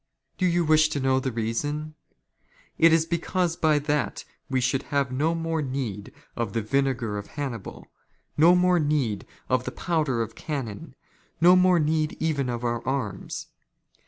*' Do you wish to know the reason ? It is because by that we '' should have no more need of the vinegar of Hannibal, no more " need the powder of cannon, no more need even of our arms.